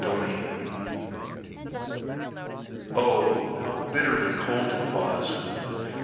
XVII Oh, how bitterly cold it was!